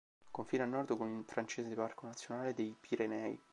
Confina a nord, con il francese parco nazionale dei Pirenei.